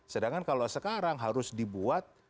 sedangkan kalau sekarang harus dibuat